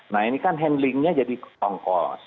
nah ini kan handlingnya jadi kongkol